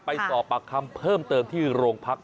ไปสอบปากคำเพิ่มเติมที่โรงพัก